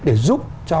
để giúp cho